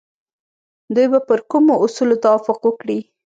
دوی به پر کومو اصولو توافق وکړي؟